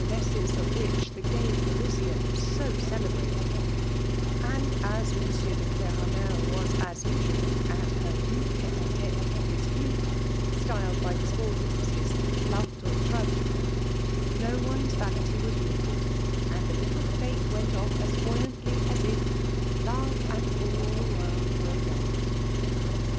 fliiesses of which^ the gay Parisian was so celebrated ; and as Monsieur de C16rainel wa^ as usual> at home tete a tSte with his flute^ (styled by the Spaldings his " Flauto Tra gico/') no one's vanity was wounded; and the little ySfe went off as buoyantly as if '' Love and all tlie world were young."